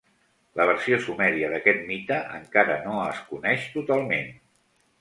La versió sumèria d'aquest mite encara no es coneix totalment.